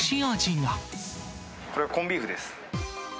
これはコンビーフです。